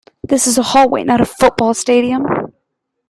This is a hallway, not a football stadium!